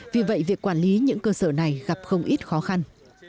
vì vậy việc quản lý những cơ sở này gặp không ít khó khăn